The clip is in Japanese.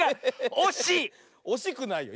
おしくないよ。